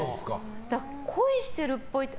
恋してるっぽいって。